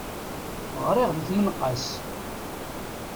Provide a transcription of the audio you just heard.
Γriɣ di tmenqas.